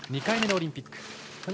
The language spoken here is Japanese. ２回目のオリンピック。